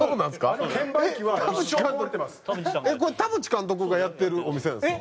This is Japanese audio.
これ田淵監督がやってるお店なんですか？